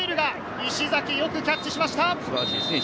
石崎、よくキャッチしました。